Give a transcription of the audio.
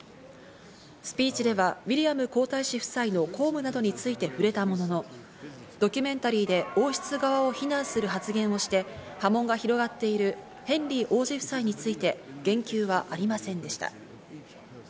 スピーチではウィリアム皇太子夫妻の公務などについて触れたものの、ドキュメンタリーで王室側を非難する発言をして波紋が広がっているヘンリー王子夫妻について言及はありませんでした。